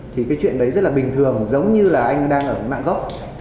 thì chuyện đấy rất bình thường giống như anh đang ở mạng gốc